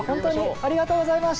ありがとうございます！